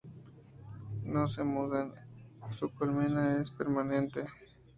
No se mudan, su colmena es permanente.